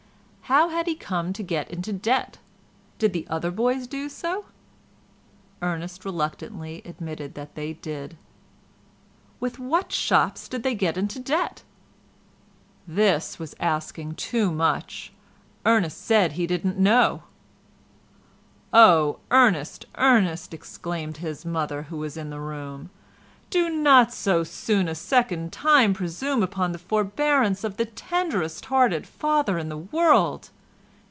How had he come to get into debt? Did the other boys do so? Ernest reluctantly admitted that they did. With what shops did they get into debt? This was asking too much, Ernest said he didn't know! "Oh, Ernest, Ernest," exclaimed his mother, who was in the room, "do not so soon a second time presume upon the forbearance of the tenderest hearted father in the world.